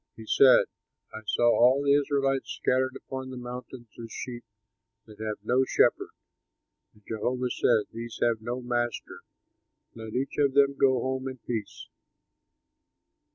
He said, "I saw all the Israelites scattered upon the mountains as sheep that have no shepherd. And Jehovah said, 'These have no master; let each of them go home in peace!'"